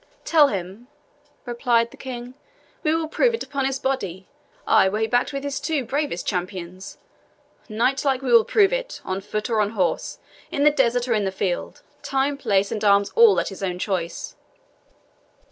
"Tell him," replied the King, "we will prove it upon his body ay, were he backed with his two bravest champions. Knightlike will we prove it, on foot or on horse, in the desert or in the field, time, place, and arms all at his own choice."